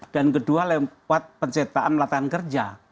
dan kedua lewat penceritaan latar kerja